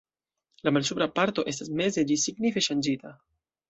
La malsupra parto estas meze ĝis signife ŝanĝita.